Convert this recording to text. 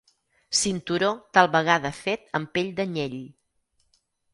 Cinturó tal vegada fet amb pell d'anyell.